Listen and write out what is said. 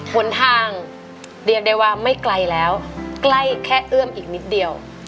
หนทางเรียกได้ว่าไม่ไกลแล้วใกล้แค่เอื้อมอีกนิดเดียว